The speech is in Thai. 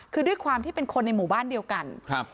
คือด้วยความที่เป็นคนในหมู่บ้านเดียวกันครับ